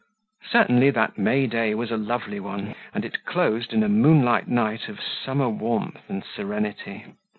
Certainly that May day was a lovely one, and it closed in moonlight night of summer warmth and serenity.